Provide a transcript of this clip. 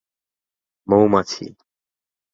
মৌমাছি.